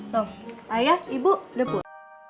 loh ayah ibu lebur